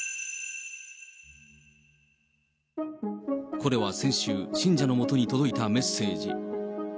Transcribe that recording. これは先週、信者のもとに届いたメッセージ。